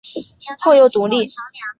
后又独立。